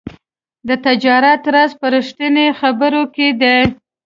د تجارت راز په رښتیني خبرو کې دی.